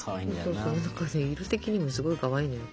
そうそう色的にもすごいかわいいのよ。